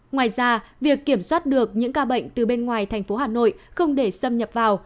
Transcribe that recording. ngoài ra việc kiểm soát được những ca bệnh từ bên ngoài thành phố hà nội không để xâm nhập vào